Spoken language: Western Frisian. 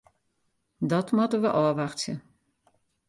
Dat moatte we ôfwachtsje.